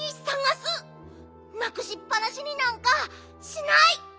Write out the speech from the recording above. なくしっぱなしになんかしない！